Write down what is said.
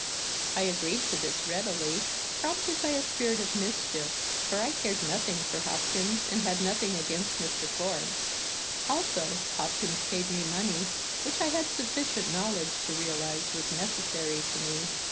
I agreed to this readily, prompted by a spirit of mischief, for I cared nothing for Hopkins and had nothing against Mr. Forbes. Also Hopkins paid me money, which I had sufficient knowledge to realize was necessary to me.